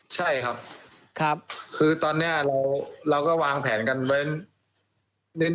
ใช่ครับครับคือตอนเนี้ยเราก็วางแผนกันไป